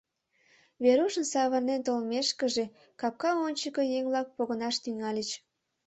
Верушын савырнен толмешкыже, капка ончыко еҥ-влак погынаш тӱҥальыч.